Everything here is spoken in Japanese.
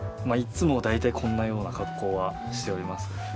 まあいつも大体こんなような格好はしております。